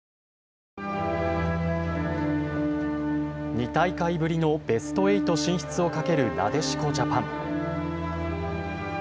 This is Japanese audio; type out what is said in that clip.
２大会ぶりのベスト８進出をかける、なでしこジャパン。